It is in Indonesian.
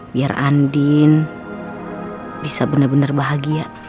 biar andin bisa bener bener bahagia